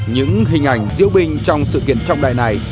những hình ảnh diệu bình trong sự kiện trong đài này